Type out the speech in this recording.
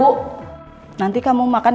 enggak ya eating